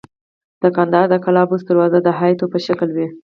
د کندهار د قلعه بست دروازې د هاتیو په شکل وې